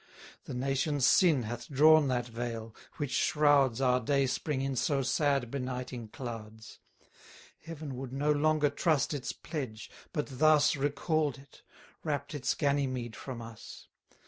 The nation's sin hath drawn that veil, which shrouds Our day spring in so sad benighting clouds: 50 Heaven would no longer trust its pledge; but thus Recall'd it; rapt its Ganymede from us.